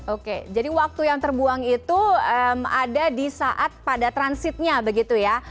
oke jadi waktu yang terbuang itu ada di saat pada transitnya begitu ya